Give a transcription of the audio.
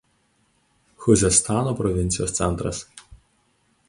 Chuzestano provincijos centras.